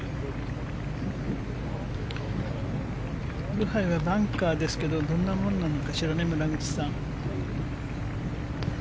ブハイはバンカーですけどどんなものでしょうね村口さん。